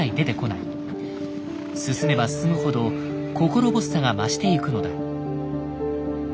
進めば進むほど心細さが増していくのだ。